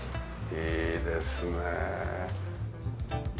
いいですねえ。